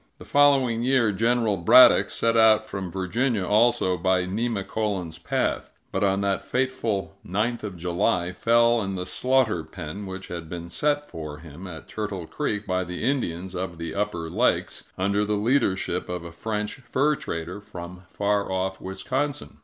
The following year, General Braddock set out from Virginia, also by Nemacolin's Path; but, on that fateful ninth of July, fell in the slaughter pen which had been set for him at Turtle Creek by the Indians of the Upper Lakes, under the leadership of a French fur trader from far off Wisconsin.